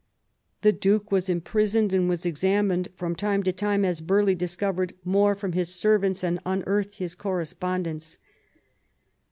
The Duke was imprisoned, and was examined from time to time, as Burghley 144 QUEEN ELIZABETH. discovered more from his servants and unearthed his correspondence.